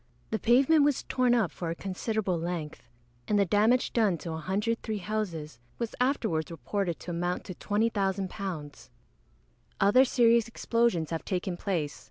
The pavement was torn up for a considerable length, and the damage done to 103 houses was afterwards reported to amount to £20,000. Other serious explosions have taken place.